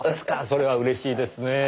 それは嬉しいですねぇ。